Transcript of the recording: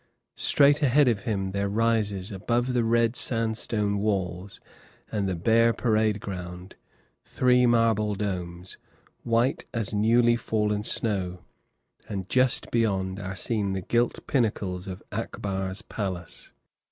Straight ahead of him there rises, above the red sandstone walls and the bare parade ground, three marble domes, white as newly fallen snow, and just beyond are seen the gilt pinnacles of Akbar's palace.